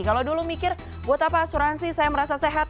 kalau dulu mikir buat apa asuransi saya merasa sehat